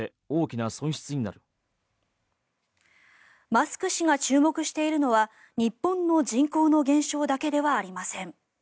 マスク氏が注目しているのは日本の人口の減少だけではありません。